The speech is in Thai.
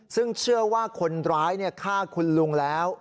ซึ่งเชื่อว่าคนร้ายฆ่าคุณลุงแล้ว